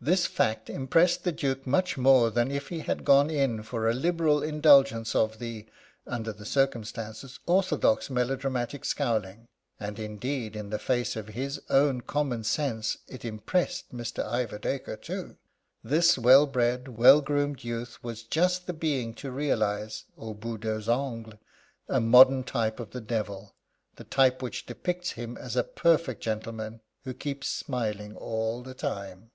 This fact impressed the Duke much more than if he had gone in for a liberal indulgence of the under the circumstances orthodox melodramatic scowling. And, indeed, in the face of his own common sense, it impressed Mr. Ivor Dacre too. This well bred, well groomed youth was just the being to realise aux bouts des ongles a modern type of the devil, the type which depicts him as a perfect gentleman, who keeps smiling all the time.